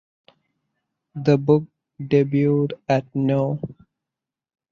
The book debuted at no.